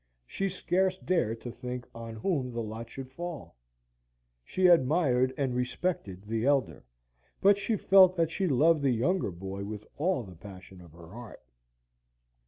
She scarce dared to think on whom the lot should fall. She admired and respected the elder, but she felt that she loved the younger boy with all the passion of her heart.